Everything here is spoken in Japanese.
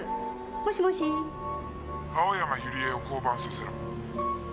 「青山ユリエを降板させろ」